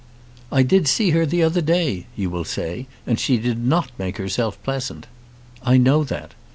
"I did see her the other day," you will say, "and she did not make herself pleasant." I know that.